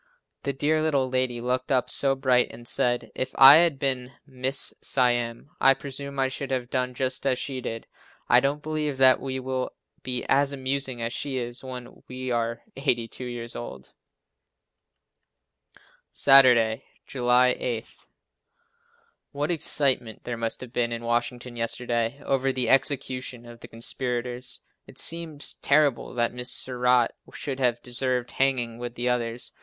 The dear little lady looked up so bright and said, "If I had been Mrs. Siam, I presume I should have done just as she did." I don't believe that we will be as amusing as she is when we are 82 years old. Saturday, July 8. What excitement there must have been in Washington yesterday over the execution of the conspirators. It seems terrible that Mrs. Surratt should have deserved hanging with the others.